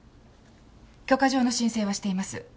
許可状の申請はしています。